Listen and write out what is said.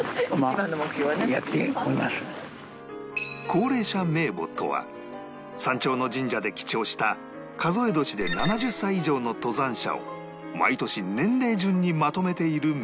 高齢者名簿とは山頂の神社で記帳した数え年で７０歳以上の登山者を毎年年齢順にまとめている名簿